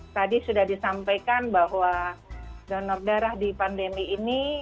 tadi sudah disampaikan bahwa donor darah di pandemi ini